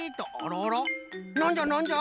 なんじゃなんじゃ？